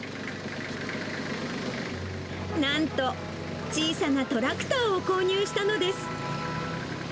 なんと、小さなトラクターを購入したのです。